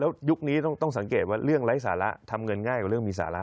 แล้วยุคนี้ต้องสังเกตว่าเรื่องไร้สาระทำเงินง่ายกว่าเรื่องมีสาระ